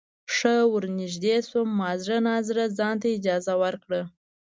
ښه ورنږدې شوم ما زړه نا زړه ځانته اجازه ورکړه.